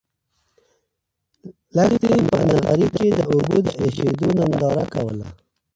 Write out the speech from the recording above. لښتې په نغري کې د اوبو د اېشېدو ننداره کوله.